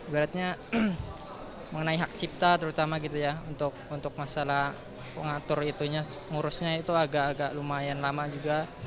karena mengenai hak cipta terutama gitu ya untuk masalah pengatur itu ngurusnya itu agak agak lumayan lama juga